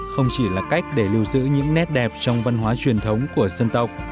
không chỉ là cách để lưu giữ những nét đẹp trong văn hóa truyền thống của dân tộc